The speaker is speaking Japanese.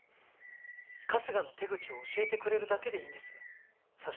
春日の手口を教えてくれるだけでいいんですそ